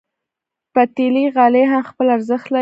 پتېلي غالۍ هم خپل ارزښت لري.